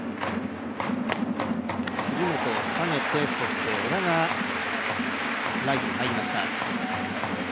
杉本を下げて小田がライトに入りました。